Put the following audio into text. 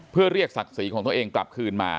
เพื่อเรียกศักดิ์ศรีของตัวเองกลับคืนมา